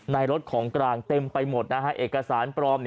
รถของกลางเต็มไปหมดนะฮะเอกสารปลอม